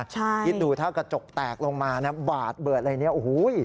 ใช่ดูถ้ากระจกแตกลงมาบาดเบิดอะไรอย่างนี้โอ้โห